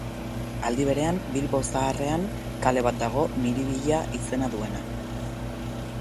Aldi berean, Bilbo Zaharrean kale bat dago Miribilla izena duena.